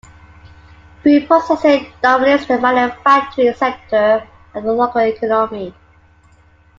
Food processing dominates the manufacturing sector of the local economy.